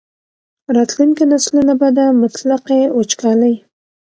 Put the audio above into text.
راتلونکي نسلونه به د مطلقې وچکالۍ.